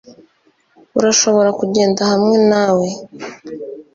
Urashobora kundeba hamwe nawe